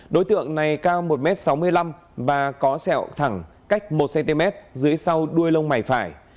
đối tượng này cao một m sáu mươi năm và có sẹo thẳng cách một cm dưới sau đuôi lông mày phải